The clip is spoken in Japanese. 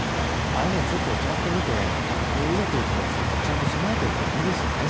ああいうのをちゃんと見ていざという時はちゃんと備えておいたほうがいいですね。